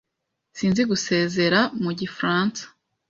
Sinzi gusezera mu gifaransa.